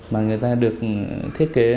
mà người ta được thiết kế